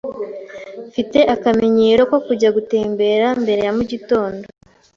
Mfite akamenyero ko kujya gutembera mbere ya mugitondo.